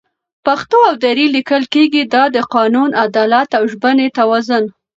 پښتو او دري لیکل کېږي، دا د قانون، عدالت او ژبني توازن